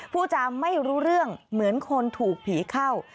ผู้จำไม่รู้เรื่องเหมือนคนถูกผีเข้า